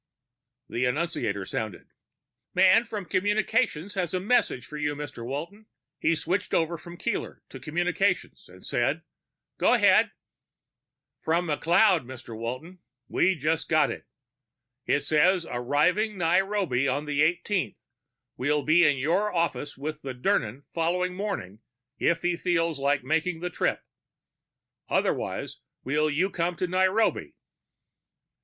The annunciator sounded. "Man from communications has a message for you, Mr. Walton." He switched over from Keeler to communications and said, "Go ahead." "From McLeod, Mr. Walton. We just got it. It says, 'Arriving Nairobi on the 18th, will be in your office with Dirnan following morning if he feels like making the trip. Otherwise will you come to Nairobi?'"